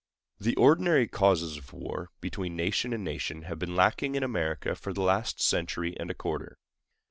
The ordinary causes of war between nation and nation have been lacking in America for the last century and a quarter.